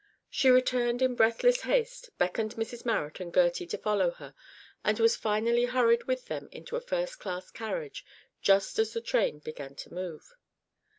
She returned in breathless haste, beckoned Mrs Marrot and Gertie to follow her, and was finally hurried with them into a first class carriage just as the train began to move.